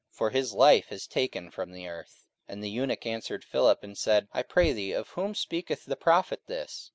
for his life is taken from the earth. 44:008:034 And the eunuch answered Philip, and said, I pray thee, of whom speaketh the prophet this?